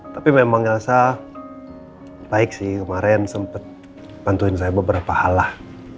tapi memang ya saya baik sih kemarin sempat bantuin saya beberapa hal lah